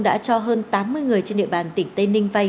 đã cho hơn tám mươi người trên địa bàn tỉnh tây ninh vay